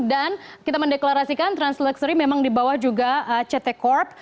dan kita mendeklarasikan trans luxury memang di bawah juga ct corp